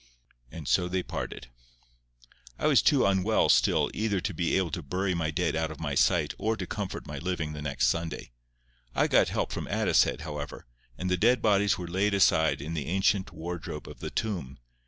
And so they parted. I was too unwell still either to be able to bury my dead out of my sight or to comfort my living the next Sunday. I got help from Addicehead, however, and the dead bodies were laid aside in the ancient wardrobe of the tomb.